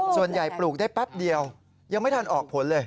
ปลูกได้แป๊บเดียวยังไม่ทันออกผลเลย